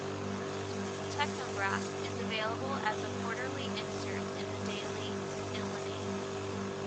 "Technograph" is available as a quarterly insert in the "Daily Illini".